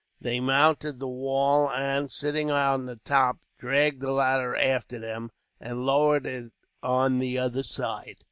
They mounted the wall and, sitting on the top, dragged the ladder after them, and lowered it on the other side.